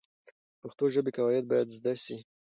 د پښتو ژبې قواعد باید زده سي.